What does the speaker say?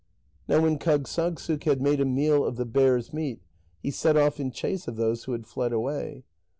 Now when Kâgssagssuk had made a meal of the bears' meat, he set off in chase of those who had fled away.